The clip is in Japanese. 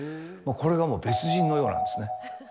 これがもう、別人のようなんですよね。